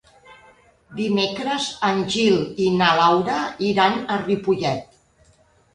Dimecres en Gil i na Laura iran a Ripollet.